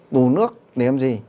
đủ nước để làm gì